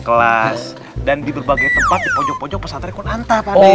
kelas dan di berbagai tempat